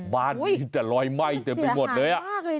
บ้านนี้จะลอยไหม้เต็มไปหมดเลย